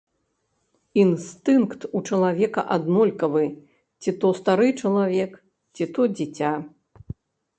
Інстынкт у чалавека аднолькавы, ці то стары чалавек, ці то дзіця.